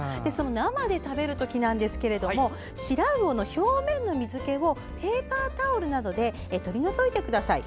生で食べる時なんですがシラウオの表面の水けをペーパータオルなどで取り除いてください。